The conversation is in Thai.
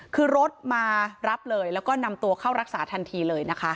คือรถมารับเลยแล้วก็นำตัวเข้ารักษาทันทีเลยนะคะ